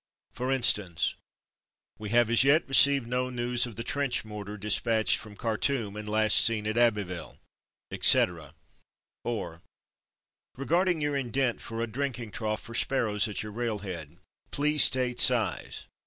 For instance: "We have as yet received no news of the trench mortar dispatched from Khartoum, and last seen at Abbeville/' etc.; or "Re your indent for a drinking trough for sparrows at your railhead. Please state size.